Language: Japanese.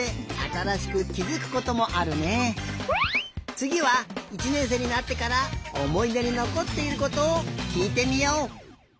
つぎは１ねんせいになってからおもいでにのこっていることをきいてみよう！